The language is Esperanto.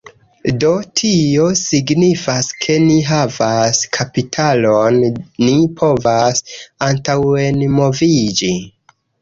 Do, tio signifas, ke ni havas kapitalon ni povas antaŭenmoviĝi